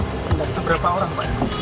beberapa orang pak